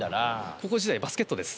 高校時代バスケットです。